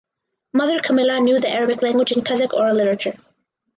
Mother Kamila knew the Arabic language and Kazakh oral literature.